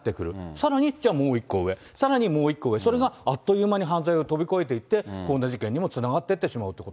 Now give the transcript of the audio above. さらにじゃあもう一個上、さらにもう一個上、それがあっという間に犯罪を飛び越えていって、こんな事件にもつながっていってしま